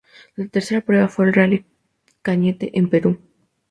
La tercera prueba fue el Rally Cañete, en Perú.